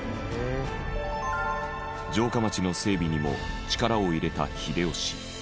城下町の整備にも力を入れた秀吉。